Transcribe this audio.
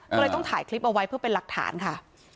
ก็เลยต้องถ่ายคลิปเอาไว้เพื่อเป็นหลักฐานค่ะ